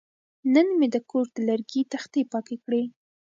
نن مې د کور د لرګي تختې پاکې کړې.